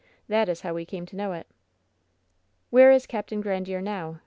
That is how we came to know it.'' "Where is Capt. Grandiere now?"